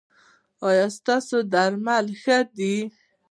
ایا ستاسو درمل ښه دي؟